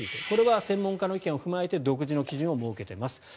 これは専門家の意見を踏まえて独自の基準を設けています。